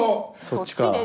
そっちかあ。